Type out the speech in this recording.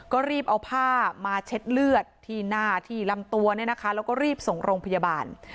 ก็รีบเอาผ้ามาเช็ดเลือดที่หน้าที่ลำตัวเนี่ยนะคะแล้วก็รีบส่งโรงพยาบาล